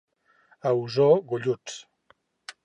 A Osor, golluts.